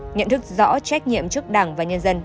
nhận thức rõ trách nhiệm trước đảng và nhân dân